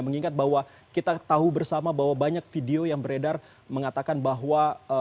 mengingat bahwa kita tahu bersama bahwa banyak video yang beredar mengatakan bahwa